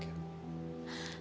kayaknya gue flu deh